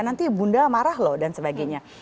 nanti bunda marah loh dan sebagainya